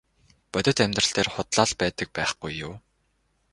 Бодит амьдрал дээр худлаа л байдаг байхгүй юу.